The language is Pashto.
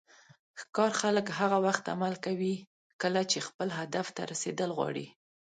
ښکار خلک هغه وخت عمل کوي کله چې خپل هدف ته رسیدل غواړي.